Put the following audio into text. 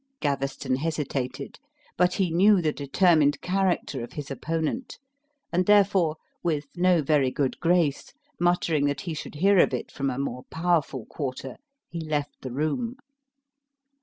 Gaveston hesitated; but he knew the determined character of his opponent, and therefore, with no very good grace, muttering that he should hear of it from a more powerful quarter, he left the room.